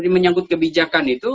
menyangkut kebijakan itu